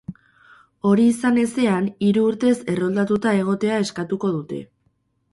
Hori izan ezean, hiru urtez erroldatuta egotea eskatuko dute.